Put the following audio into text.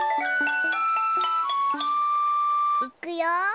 いくよ。